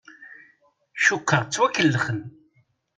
Cukkeɣ ttwakellexen.